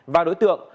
và đối tượng